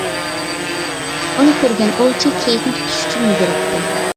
ئۇنى كۆرگەن ئوۋچى كېيىكنى تۇتۇش ئۈچۈن يۈگۈرۈپتۇ.